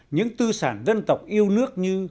những tư sản dân tộc yêu nước như